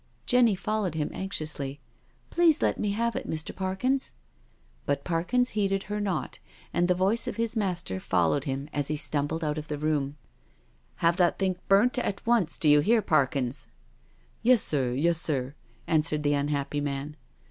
Jenny followed him anxiously: " Please let me have it, Mr. Parkins?" But Parkins heeded her not, and the voice of his master followed him as he stumbled out of the room :" Have that thing burnt at once, do you hear. Par kins?'* " Yes, sir, yes, sir," answered the unhappy man.